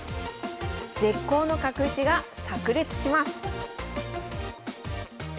絶好の角打ちがさく裂します